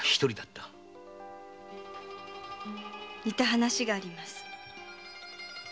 似た話があります。